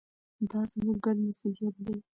دا زموږ ګډ مسوولیت دی.